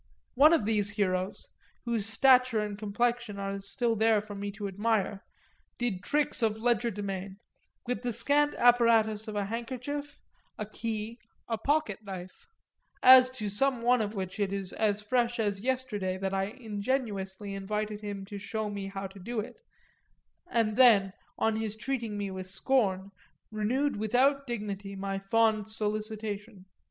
One of these heroes, whose stature and complexion are still there for me to admire, did tricks of legerdemain, with the scant apparatus of a handkerchief, a key, a pocket knife as to some one of which it is as fresh as yesterday that I ingenuously invited him to show me how to do it, and then, on his treating me with scorn, renewed without dignity my fond solicitation.